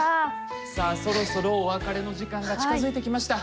さあそろそろお別れの時間が近づいてきました。